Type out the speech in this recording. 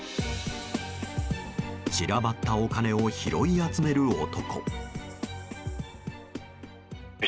散らばったお金を拾い集める男。